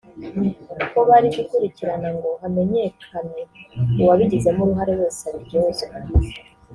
ko bari gukurikirana ngo hamenyekane uwabigizemo uruhare wese abiryozwe